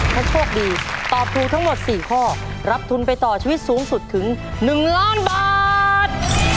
ถ้าโชคดีตอบถูกทั้งหมด๔ข้อรับทุนไปต่อชีวิตสูงสุดถึง๑ล้านบาท